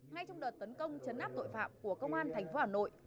ngay trong đợt tấn công chấn áp tội phạm của công an thành phố hà nội